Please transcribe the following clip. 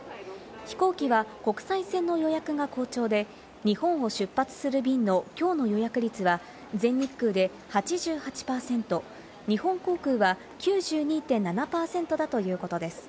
飛行機は国際線の予約が好調で、日本を出発する便の今日の予約率は全日空で８８％、日本航空は９２．７％だということです。